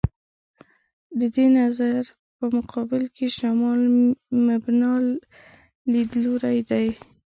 د دې نظر په مقابل کې «شمال مبنا» لیدلوری دی.